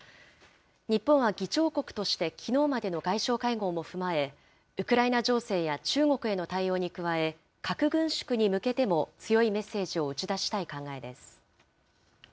日本は議長国として、きのうまでの外相会合も踏まえ、ウクライナ情勢や中国への対応に加え、核軍縮に向けても強いメッセージを打ち出したい考えです。